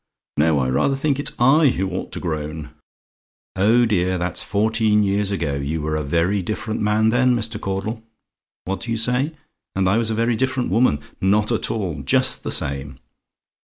No: I rather think it's I who ought to groan! "Oh, dear! That's fourteen years ago. You were a very different man then, Mr. Caudle. What do you say ? "AND I WAS A VERY DIFFERENT WOMAN? "Not at all just the same.